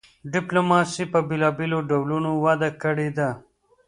ډیپلوماسي په بیلابیلو ډولونو وده کړې ده